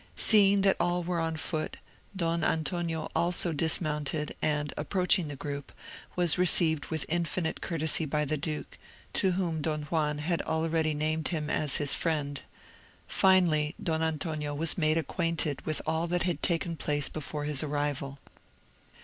Seeing that all were on foot, Don Antonio also dismounted, and, approaching the group, was received with infinite courtesy by the duke, to whom Don Juan had already named him as his friend; finally, Don Antonio was made acquainted with all that had taken place before his arrival.